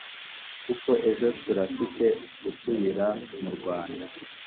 kuko ejo turafite gusubira mu rwanda